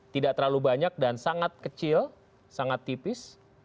tidak terlalu banyak dan sangat kecil sangat tipis